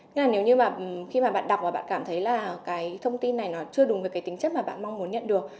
nếu như bạn đọc và cảm thấy thông tin này chưa đúng với tính chất mà bạn mong muốn nhận được